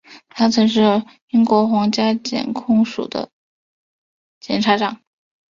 他曾是英国皇家检控署的检察长。